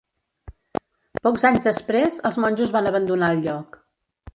Pocs anys després, els monjos van abandonar el lloc.